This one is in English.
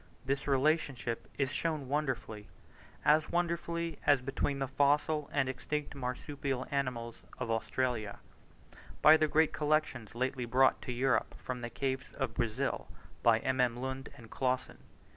This relationship is shown wonderfully as wonderfully as between the fossil and extinct Marsupial animals of Australia by the great collection lately brought to Europe from the caves of Brazil by MM. Lund and Clausen.